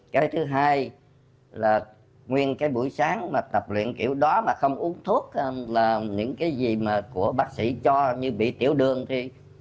cái thứ hai là nguyên cái buổi sáng mà tập luyện kiểu đó mà không uống thuốc là những cái gì mà của bác sĩ cho như bị tiểu đường thì